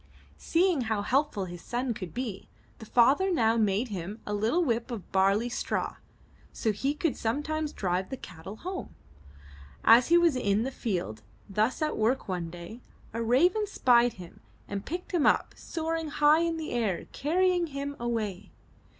Seeing how helpful his son could be, the father now made him a little whip of a barley straw, so he could sometimes drive the cattle home. As he was in the field thus at work one day, a raven spied him and picked him up, soaring high in the air and carrying him away.